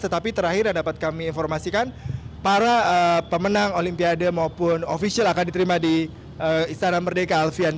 tetapi terakhir yang dapat kami informasikan para pemenang olimpiade maupun ofisial akan diterima di istana merdeka alfian